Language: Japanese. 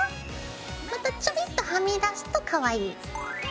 またちょびっとはみ出すとかわいい。